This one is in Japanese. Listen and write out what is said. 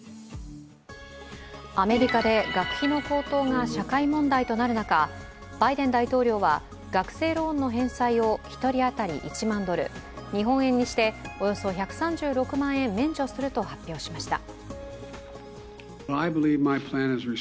アメリカで学費の高騰が社会問題となる中バイデン大統領は、学生ローンの返済を１人当たり１万ドル、日本円にしておよそ１３６万円免除すると発表しました。